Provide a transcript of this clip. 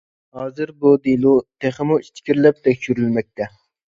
ھازىر بۇ دېلو تېخىمۇ ئىچكىرىلەپ تەكشۈرۈلمەكتە.